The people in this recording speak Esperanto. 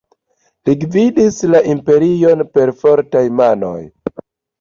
Li gvidis la imperion per fortaj manoj.